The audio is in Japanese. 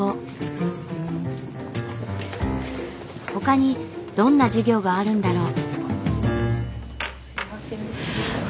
ほかにどんな授業があるんだろう？